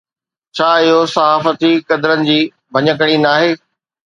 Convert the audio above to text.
ڇا اهو صحافتي قدرن جي ڀڃڪڙي ناهي؟